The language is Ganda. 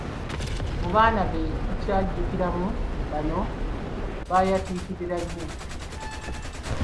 Mu baana be tukyajjukiramu bano abaayatiikirira ennyo.